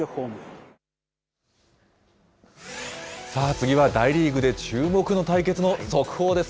次は大リーグで注目の対決の速報です。